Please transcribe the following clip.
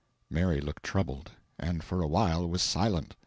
Mary looked troubled, and for a while was silent.